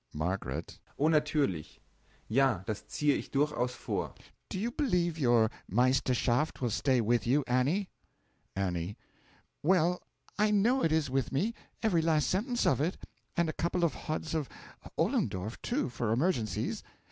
M. Oh, naturlich! Ja! Dass ziehe ich durchaus vor. Do you believe your Meisterschaft will stay with you, Annie? A. Well, I know it is with me every last sentence of it; and a couple of hods of Ollendorff, too, for emergencies.